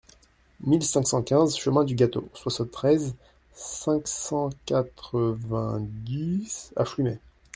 mille cinq cent quinze chemin du Gâteau, soixante-treize, cinq cent quatre-vingt-dix à Flumet